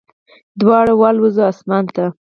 دواړه والوزو اسمان ته